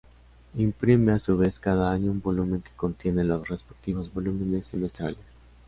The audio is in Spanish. Imprime, a su vez, cada año un volumen que contiene los respectivos volúmenes semestrales.